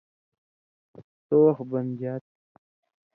(سو وخت بنژا تھی)،